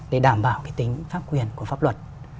để đảm bảo tính pháp quyền của pháp luật